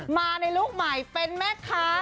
มาในลุคใหม่เป็นแม่ค้า